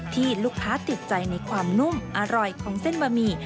ที่ลูกค้าติดใจในความนุ่มอร่อยของเส้นบะหมี่